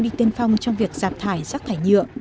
đi tiên phong trong việc giảm thải rác thải nhựa